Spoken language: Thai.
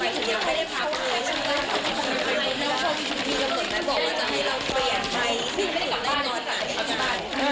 พี่ไม่ได้กลับบ้านแล้วก็ได้